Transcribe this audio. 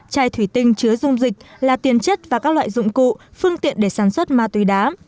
chai thủy tinh chứa dung dịch là tiền chất và các loại dụng cụ phương tiện để sản xuất ma túy đá